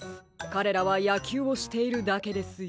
かれらはやきゅうをしているだけですよ。